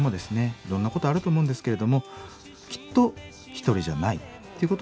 いろんなことあると思うんですけれどもきっと一人じゃないってことをですね